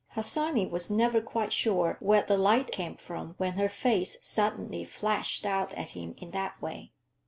Harsanyi was never quite sure where the light came from when her face suddenly flashed out at him in that way.